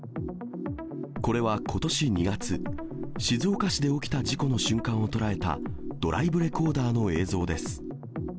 これはことし２月、静岡市で起きた事故の瞬間を捉えたドライブレコーダーの映像です。